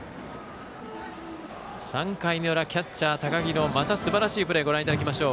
３回の裏、キャッチャー、高木のまたすばらしいプレーをご覧いただきましょう。